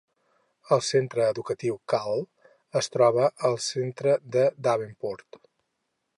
El centre educatiu Kahl es troba al centre de Davenport.